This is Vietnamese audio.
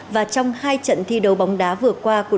và trong hai trận thi đấu bóng đá vừa qua của đội trưởng